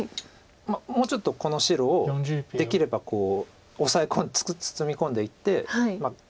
もうちょっとこの白をできれば包み込んでいって。